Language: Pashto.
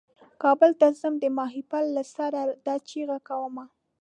کابل ته ځمه د ماهیپر له سره دا چیغه کومه.